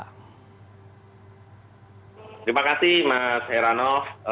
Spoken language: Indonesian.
terima kasih mas herono